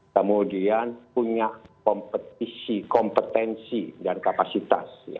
kemudian punya kompetisi kompetensi dan kapasitas